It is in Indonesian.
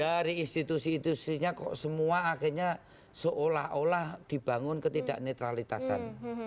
dari institusi institusinya kok semua akhirnya seolah olah dibangun ketidak netralitasan